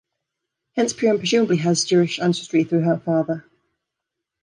Hence Purim presumably has Jewish ancestry through her father.